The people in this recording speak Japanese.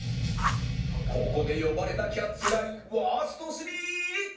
ここで呼ばれなきゃつらいワースト３入り！